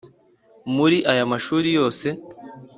Muri aya mashuri yose